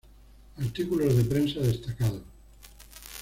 Artículos de prensa destacados